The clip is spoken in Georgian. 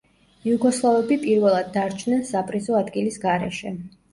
იუგოსლავები პირველად დარჩნენ საპრიზო ადგილის გარეშე.